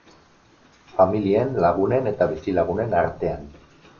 Familien, lagunen eta bizilagunen artean.